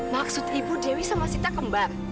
maksud ibu dewi sama sita kembar